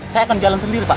saya akan jalan sendiri pak